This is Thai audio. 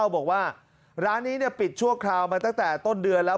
บอกว่าร้านนี้ปิดชั่วคราวมาตั้งแต่ต้นเดือนแล้ว